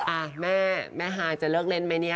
อ่ะแม่แม่ฮายจะเลิกเล่นไหมเนี่ย